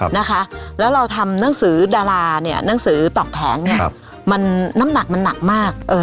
นะคะแล้วเราทำหนังสือดาราเนี่ยหนังสือตอกแผงเนี่ยครับมันน้ำหนักมันหนักมากเอ่อ